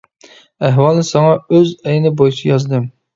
ئەھۋالنى ساڭا ئۆز ئەينى بويىچە يازدىم.